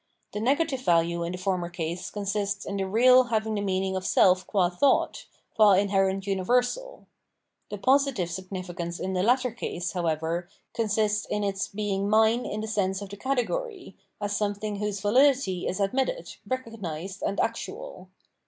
The negative value in the former case consists in the real having the meaning of self gu(x thought, gud inherent universal ; the positive significance in the latter case, however, consists in its being mine in the sense of the category, as something whose validity is admitted, re cognised, and actual.